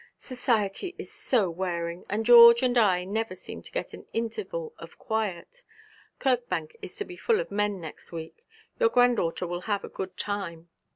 'Society is so wearing, and George and I never seem to get an interval of quiet. Kirkbank is to be full of men next week. Your granddaughter will have a good time.'